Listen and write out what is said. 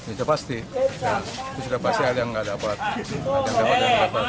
itu pasti itu sudah pasti ada yang tidak dapat